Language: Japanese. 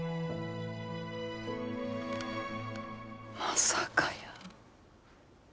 まさかやー。